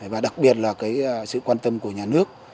và đặc biệt là sự quan tâm của nhà nước